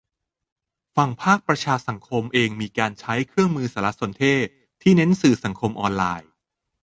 ฝั่งภาคประชาสังคมเองมีการใช้เครื่องมือสารสนเทศที่เน้นสื่อสังคมออนไลน์